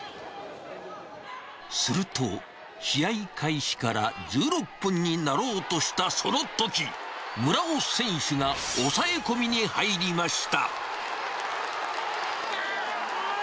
すると、試合開始から１６分になろうとしたそのとき、村尾選手が抑え込みに入りました。